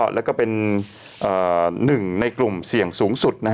แล้วก็เป็นหนึ่งในกลุ่มเสี่ยงสูงสุด